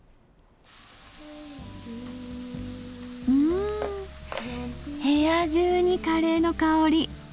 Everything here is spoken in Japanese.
ん部屋中にカレーの香り。